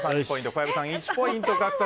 小籔さん、１ポイント獲得。